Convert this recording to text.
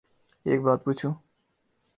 ایک بات پو چوں